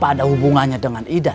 tidak ada hubungannya dengan idan